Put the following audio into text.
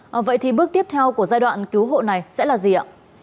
và vậy thì bước tiếp theo của giai đoạn cứu hộ này sẽ là gì ạ